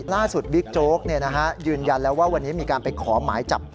ล่าสุดวิวเจอกซ์ยืนยันแล้วว่าวันนี้มีการไปขอหมายจับ